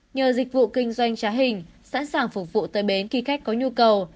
nhờ dịch vụ kinh doanh trá hình sẵn sàng phục vụ tới bến khi khách có nhu cầu